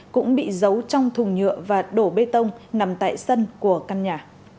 cũng bị giấu trong thùng nhựa và đổ bê tông nằm tại sân của căn nhà